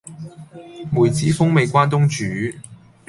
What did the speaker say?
梅子風味關東煮